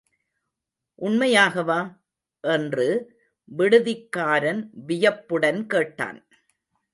உண்மையாகவா? என்று விடுதிக்காரன் வியப்புடன் கேட்டான்.